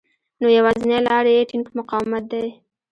نو يوازېنۍ لاره يې ټينګ مقاومت دی.